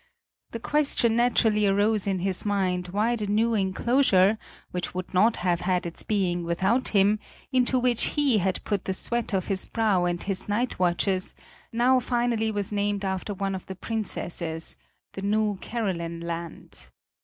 The question naturally arose in his mind why the new enclosure, which would not have had its being without him, into which he had put the sweat of his brow and his night watches, now finally was named after one of the princesses "the new Caroline land."